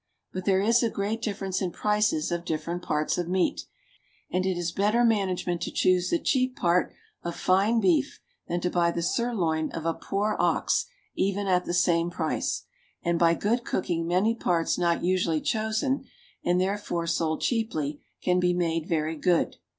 But there is a great difference in prices of different parts of meat, and it is better management to choose the cheap part of fine beef than to buy the sirloin of a poor ox even at the same price; and, by good cooking many parts not usually chosen, and therefore sold cheaply, can be made very good.